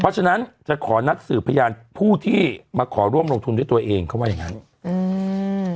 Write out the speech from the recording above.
เพราะฉะนั้นจะขอนัดสืบพยานผู้ที่มาขอร่วมลงทุนด้วยตัวเองเขาว่าอย่างงั้นอืม